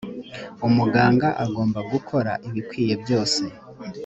umuganga agomba gukora ibikwiye byose.